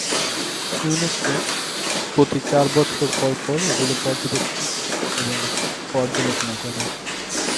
UNESCO প্রতি চার বছর পরপর এগুলি পর্যবেক্ষণ এবং পর্যালোচনা করে।